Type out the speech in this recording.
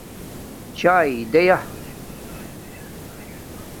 چاݵے دیں یا